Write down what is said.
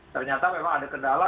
ternyata memang ada kendala